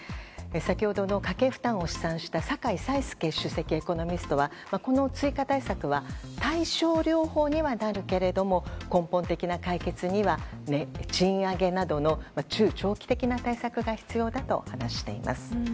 先ほどの家計負担を試算した酒井才介主席エコノミストはこの追加対策は対症療法にはなるけれども根本的な解決には賃上げなどの中長期的な対策が必要だと話しています。